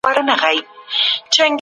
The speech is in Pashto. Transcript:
آنلاین پلورنځي زعفران خرڅوي.